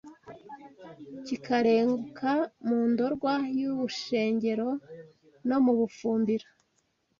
Kikarenguka mu Ndorwa y’u Bushengero no mu Bufumbira